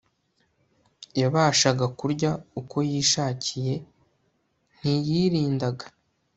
yabashaga kurya uko yishakiye Ntiyirindaga